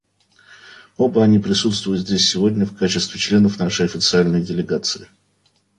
Оба они присутствуют здесь сегодня в качестве членов нашей официальной делегации.